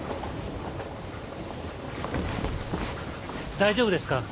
大丈夫ですか？